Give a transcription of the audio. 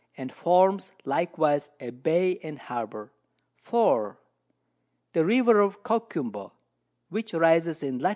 and forms likewise a Bay and Harbour. 4. The River of Coquimbo, which rises in Lat.